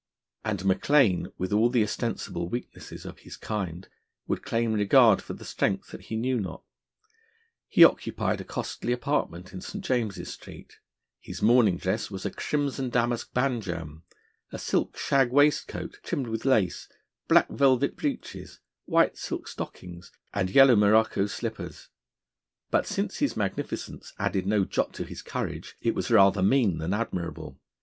And Maclaine, with all the ostensible weaknesses of his kind, would claim regard for the strength that he knew not. He occupied a costly apartment in St. James's Street; his morning dress was a crimson damask banjam, a silk shag waistcoat, trimmed with lace, black velvet breeches, white silk stockings, and yellow morocco slippers; but since his magnificence added no jot to his courage, it was rather mean than admirable.